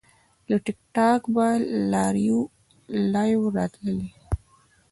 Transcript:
له ټیک ټاک به لایو راتللی